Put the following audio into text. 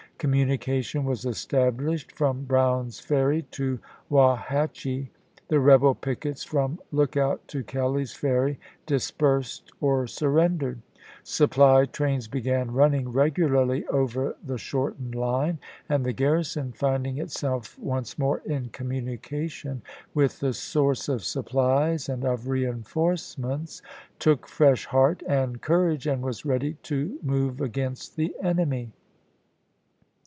Communication was established from Brown's Ferry to Wauhatchie ; the rebel pickets from Look out to Kelley's Ferry dispersed or surrendered; supply trains began running regularly over the shortened line, and the garrison, finding itself once more in communication with the source of suiDplies and of reenforcements, took fresh heart and courage, and was ready to move against the enemy.